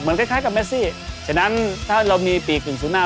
เหมือนคล้ายคล้ายกับเมซซี่ฉะนั้นถ้าเรามีปีกึ่งศูนย์หน้า